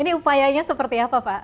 ini upayanya seperti apa pak